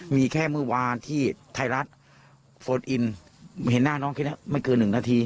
มีแค่เมื่อวานที่ไทยรัฐโฟนอินเห็นหน้าน้องแค่นี้ไม่เกิน๑นาที